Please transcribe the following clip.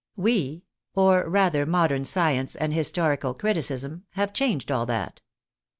"We," or rather modern science and historical criticism, " have changed all that."